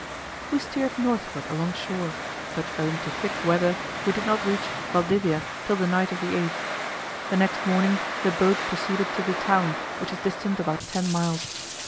We steered northward along shore, but owing to thick weather did not reach Valdivia till the night of the 8th. The next morning the boat proceeded to the town, which is distant about ten miles.